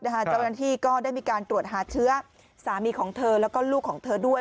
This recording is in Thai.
เจ้าหน้าที่ก็ได้มีการตรวจหาเชื้อสามีของเธอแล้วก็ลูกของเธอด้วย